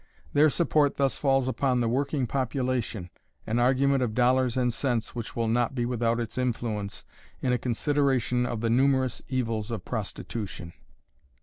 Their support thus falls upon the working population, an argument of dollars and cents which will not be without its influence in a consideration of the numerous evils of prostitution.